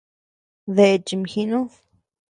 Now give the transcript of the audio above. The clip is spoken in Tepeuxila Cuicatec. ¿Dae chimjinud?